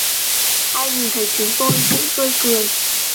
Ai nhìn thấy chúng tôi cũng tươi cười